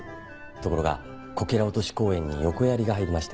ところがこけら落とし公演に横やりが入りまして。